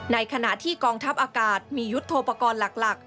ในขณะที่กองทัพอากาศมียุทธโปรกรณ์หลัก